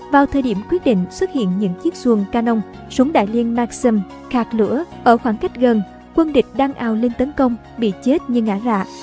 vào thời điểm quyết định xuất hiện những chiếc xuồng canon súng đại liên maxim khạc lửa ở khoảng cách gần quân địch đang ào lên tấn công bị chết như ngã rạ